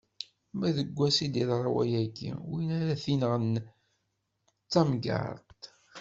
Ma deg wass i d-iḍra wayagi, win ara t-inɣen, d tamgerṭ.